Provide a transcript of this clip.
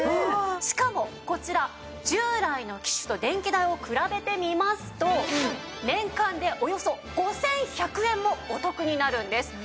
しかもこちら従来の機種と電気代を比べてみますと年間でおよそ５１００円もお得になるんです。